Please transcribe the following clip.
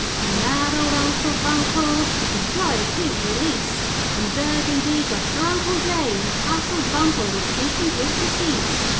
'And that old Uncle Buncle, For joy of his release, On Burgundy got drunk all Day in Castle Buncle, Which hastened his decease.